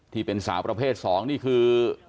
ที่เป็นสาวประเภท๒นี่คือ